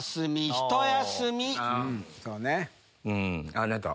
あっ寝た。